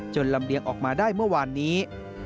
ลำเลียงออกมาได้เมื่อวานนี้